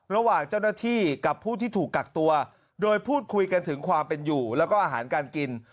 ระหว่างเจ้าหน้าที่กับผู้ที่ถูกกักตัวโดยพูดคุยกันถึงความเป็นอยู่แล้วก็อาหารการกิน